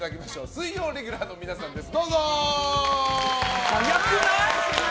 水曜レギュラーの皆さんです。